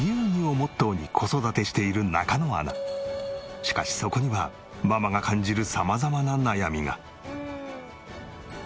しかしそこにはママが感じる様々な悩みが。